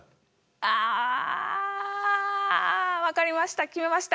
あ分かりました決めました。